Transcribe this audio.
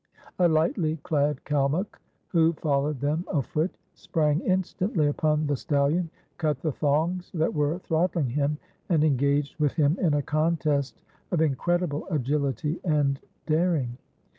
A lightly clad Kalmuk, who followed them a foot, sprang instantly upon the stallion, cut the thongs that were throttling him, and engaged with him in a contest of incredible agility and daring.